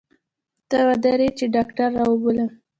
ته ودرې چې ډاکتر راوبولم.